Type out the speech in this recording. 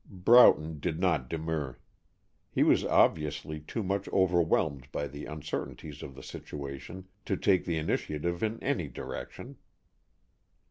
Broughton did not demur. He was obviously too much overwhelmed by the uncertainties of the situation to take the initiative in any direction.